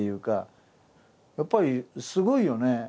やっぱりすごいよね。